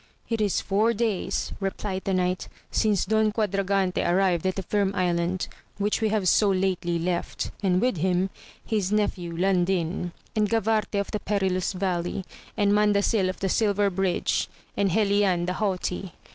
It is four days, replied the knight, since Don Quad ragante arrived at the Firm Island, which we have so lately left, and with him, his nephew Landin, and Gavarte of the Perilous Valley, and Mandacil of the Silver Bridge, and Helian the haughty.